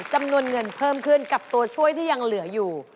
จำนวนเงินเพิ่มขึ้นกับตัวช่วยที่ยังเหลืออยู่